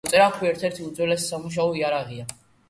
წერაქვი ერთ-ერთი უძველესი სამუშაო იარაღია.